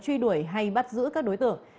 truy đuổi hay bắt giữ các đối tượng